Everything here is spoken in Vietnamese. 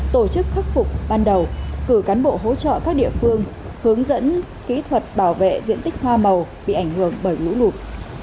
tổ chức khắc phục ban đầu cử cán bộ hỗ trợ các địa phương hướng dẫn kỹ thuật bảo vệ diện tích hoa màu bị ảnh hưởng bởi lũ lụt